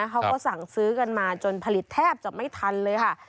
เขาก็สั่งซื้อกันมาจนผลิตแทบจะไม่ทันเลยค่ะ